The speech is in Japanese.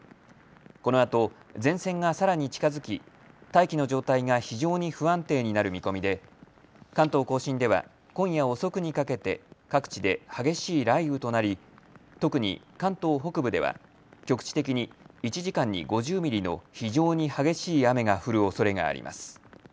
このあと前線がさらに近づき大気の状態が非常に不安定になる見込みで関東甲信では今夜遅くにかけて各地で激しい雷雨となり特に関東北部では局地的に１時間に５０ミリの非常に激しい雨が降るおそれがあります。